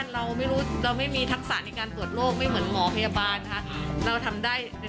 แล้วก็ใช้กองน้ำตัดออกไปอย่างนี้